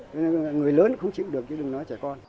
nên người lớn không chịu được chứ đừng nói trẻ con